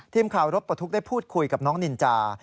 ทีมข่าวรถปลดทุกข์ได้พูดคุยกับน้องนินจา